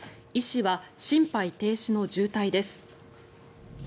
医師は心肺停止の重体です。